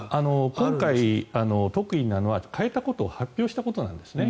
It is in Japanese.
今回、特異なのは代えたことを発表したことなんですね。